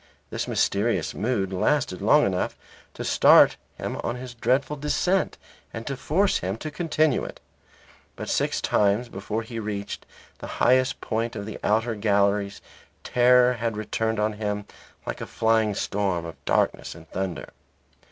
This mysterious mood lasted long enough to start him on his dreadful descent and to force him to continue it. But six times before he reached the highest of the outer galleries terror had returned on him like a flying storm of darkness and thunder.